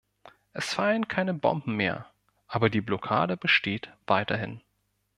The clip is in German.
Es fallen keine Bomben mehr, aber die Blockade besteht weiterhin.